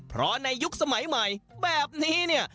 เพราะในยุคสมัยใหม่แบบนี้